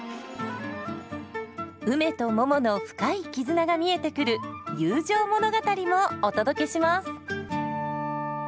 うめとももの深い絆が見えてくる友情物語もお届けします。